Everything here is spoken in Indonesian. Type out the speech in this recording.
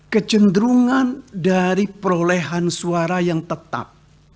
kecenderungan dari perolehan suara yang tetap